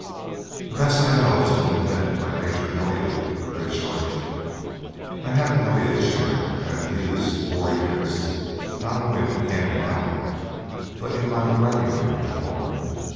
The best I know is one invented by Major Elliott of the British army. I have an Elliott chair that I have used four years, not only when camping out, but in my writing room at home.